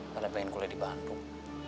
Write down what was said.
karena pengen kuliah di bandung